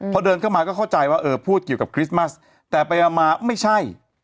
พอเดินเข้ามาก็เข้าใจว่าเออพูดเกี่ยวกับคริสต์มัสแต่ไปมาไม่ใช่